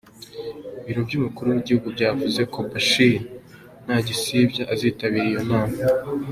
Ibiro by’umukuru w’Igihugu byavuze ko Bashir ntagisibya azitabira iyo nama.